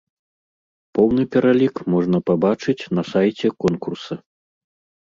Поўны пералік можна пабачыць на сайце конкурса.